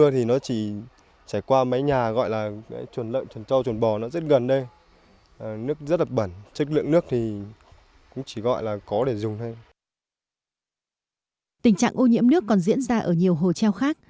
tình trạng ô nhiễm nước còn diễn ra ở nhiều hồ treo khác